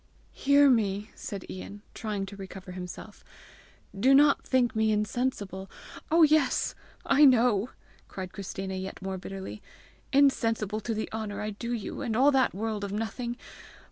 "Hear me," said Ian, trying to recover himself. "Do not think me insensible " "Oh, yes! I know!" cried Christina yet more bitterly; " INSENSIBLE TO THE HONOUR I DO YOU, and all that world of nothing!